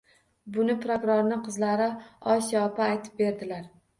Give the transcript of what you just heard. Buni prokurorning qizlari Osiyo opa aytib berdilar.